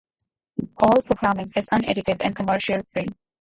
All programming is unedited and commercial free.